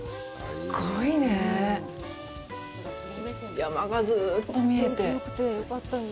山が、ずうっと見えて。